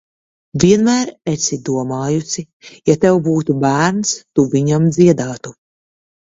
Vienmēr esi domājusi, ja tev būtu bērns, tu viņam dziedātu.